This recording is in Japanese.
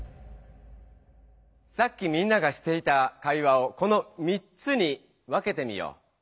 さっきみんながしていた会話をこの３つに分けてみよう。